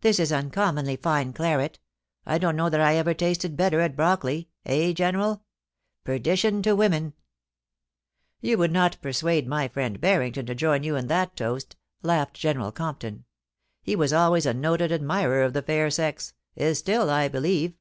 'This is uncommonly fine claret I don't know that I ever tasted better at Brockley — eh, General ? Perdition to women !'* You would not persuade my friend Harrington to join you in that toast/ laughed General Compton. * He was always a noted admirer of the fair sex ; is still, I believe.